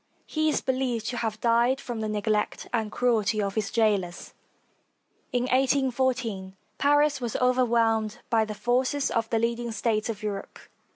He is believed to have died from the neglect and cruelty of his jailers. In 1 8 14, Paris was overwhelmed by the forces of the leading States of Europe.